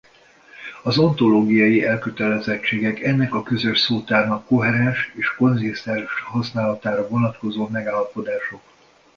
Az ontológiai elkötelezettségek ennek a közös szótárnak koherens és konzisztens használatára vonatkozó megállapodások.